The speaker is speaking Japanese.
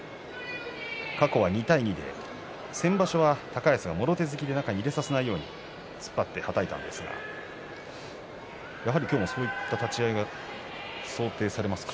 過去は２対２で、先場所は高安がもろ手突きで中に入れさせないように突っ張ってはたいてるんですがやはり今日もそういった立ち合いが想定されますか？